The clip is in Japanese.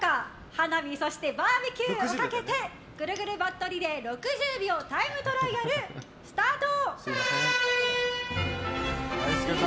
花火とバーベキューをかけてぐるぐるバットリレー６０秒タイムトライアルスタート！